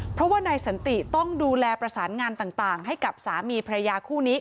เพราะว่านายสันติต้องดูแลประสานงานต่างให้กับสามีพระยาคู่นี้